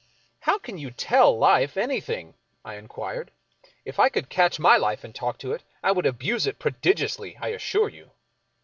" How can you ' tell life ' anything? " I inquired. " If I could catch my life and talk to it, I would abuse it pro digiously, I assure you."